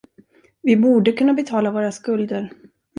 Vi borde kunna betala våra skulder.